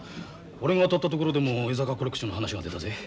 俺が当たったところでも江坂コレクションの話が出たぜ。